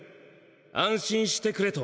「安心してくれ」と！